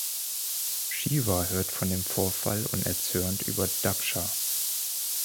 Shiva hört von dem Vorfall und erzürnt über Daksha.